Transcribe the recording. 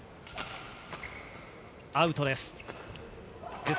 アウトです。